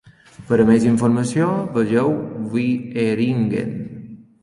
Per a més informació, vegeu Wieringen.